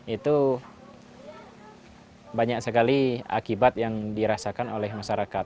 itu banyak sekali akibat yang dirasakan oleh masyarakat